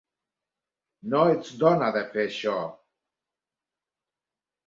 No ets dona de fer això!